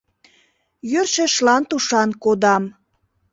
Йӧршешлан тушан кодам.